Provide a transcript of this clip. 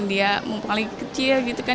dia paling kecil gitu kan